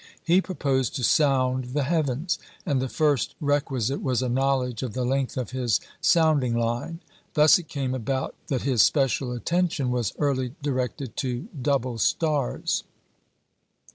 He proposed to sound the heavens, and the first requisite was a knowledge of the length of his sounding line. Thus it came about that his special attention was early directed to double stars.